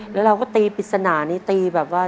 แล้วเราก็ตีปริศนานี้ตีแบบว่า